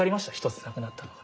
１つなくなったのが。